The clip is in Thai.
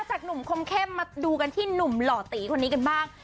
จากหนุ่มคมเข้มมาดูกันที่หนุ่มหล่อตีคนนี้กันบ้าง